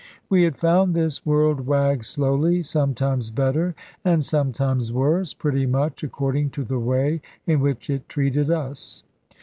We had found this world wag slowly; sometimes better, and sometimes worse, pretty much according to the way in which it treated us.